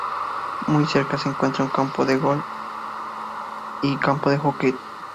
Muy cerca se encuentran un campo de golf y un campo de hockey.